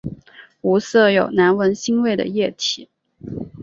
无色有难闻腥味的液体。